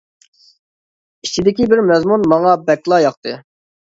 ئىچىدىكى بىر مەزمۇن ماڭا بەكلا ياقتى.